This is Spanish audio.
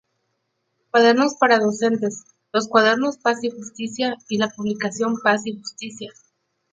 Cuadernos para docentes", los Cuadernos Paz y Justicia, y la publicación "Paz y Justicia.